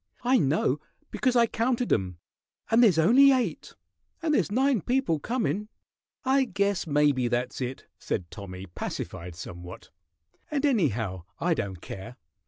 I know, because I counted 'em, and there's only eight, and there's nine people comin'." "I guess maybe that's it," said Tommy, pacified somewhat. "And anyhow, I don't care.